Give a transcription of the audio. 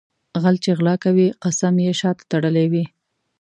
غل چې غلا کوي قسم یې شاته تړلی وي.